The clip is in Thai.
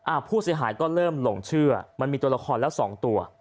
ผู้เสียหายก็เริ่มหลงเชื่อมันมีตัวละครแล้วสองตัว